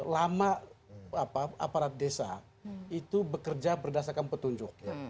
lama aparat desa itu bekerja berdasarkan petunjuk